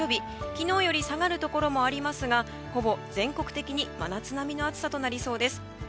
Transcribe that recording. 昨日より下がるところもありますが、ほぼ全国的に真夏並みの暑さとなりそうです。